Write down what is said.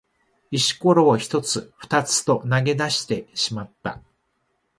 石ころを一つ二つと投げ出してしまった。